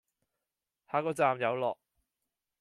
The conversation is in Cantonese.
下一個站有落